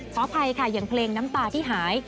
เพราะใครค่ะอย่างเพลงน้ำตาที่หาย